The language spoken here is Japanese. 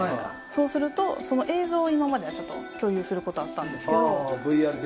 そうすると、その映像を今まで共有することはあったんですけど。